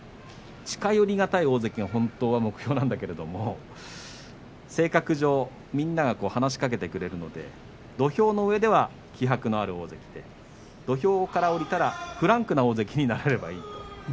近寄り難い大関は本当は目標なんですけれども性格上、みんなが話しかけてくれるので土俵の上では気迫のある大関で土俵から下りたらフランクな大関になればいいと。